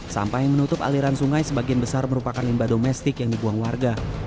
sampah yang menutup aliran sungai sebagian besar merupakan limba domestik yang dibuang warga